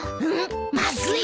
まずい！